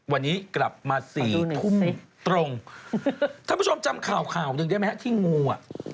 วันนี้กลับมาสี่ทุ่มตรงท่านผู้ชมจำข่าวข่าวหนึ่งได้ไหมฮะที่งูอ่ะ